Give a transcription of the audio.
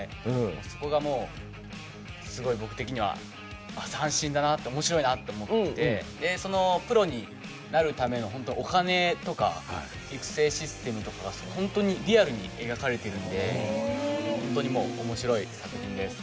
そこが僕的には斬新だな面白いなと思ってプロになるためのお金とか育成システムとかが本当にリアルに描かれているので、本当に面白いです。